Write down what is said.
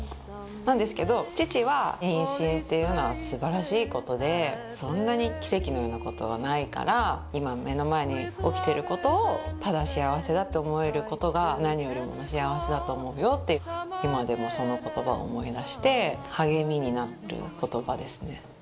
なんですけど父は「妊娠っていうのは素晴らしいことでそんなに奇跡のようなことはないから今目の前に起きてることをただ幸せだって思えることが何よりも幸せだと思うよ」っていう今でもその言葉を思い出して励みになる言葉ですね。